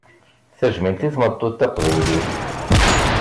Tajmilt i tmeṭṭut taqbaylit!